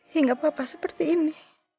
hingga papa seperti ini